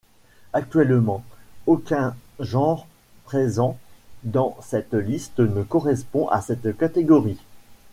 Actuellement, aucun genre présent dans cette liste ne correspond à cette catégorie.